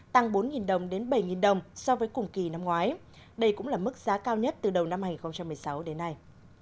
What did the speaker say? tăng bốn đồng đến bảy đồng so với cùng kỳ năm ngoái đây cũng là mức giá cao nhất từ đầu năm hai nghìn một mươi sáu đến nay